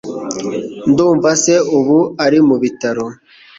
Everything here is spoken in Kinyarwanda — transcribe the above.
Ndumva se ubu ari mubitaro